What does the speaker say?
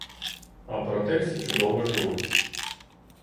А проте всі чудово живуть.